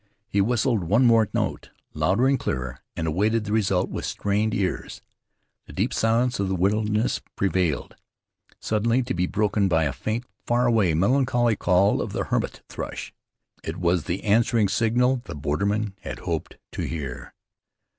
He whistled one more note, louder and clearer, and awaited the result with strained ears. The deep silence of the wilderness prevailed, suddenly to be broken by a faint, far away, melancholy call of the hermit thrush. It was the answering signal the borderman had hoped to hear.